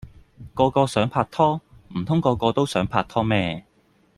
個個想拍拖，唔通個個都想拍拖咩